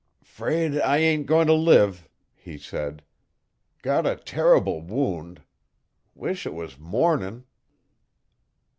''Fraid I ain't goin' t' live,' he said. 'Got a terrible wound. Wish it was morning.'